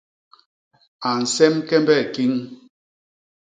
A nsem kembe kiñ.